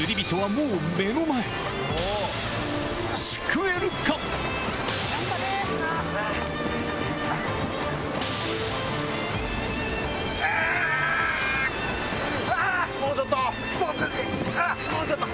もうちょっと。